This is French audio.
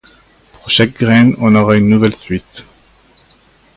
Pour chaque graine, on aura une nouvelle suite.